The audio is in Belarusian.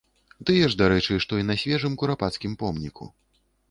Тыя ж, дарэчы, што і на свежым курапацкім помніку.